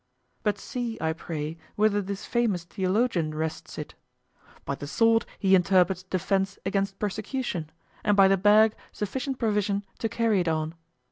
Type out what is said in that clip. But see, I pray, whither this famous theologian wrests it. By the sword he interprets defense against persecution, and by the bag sufficient provision to carry it on.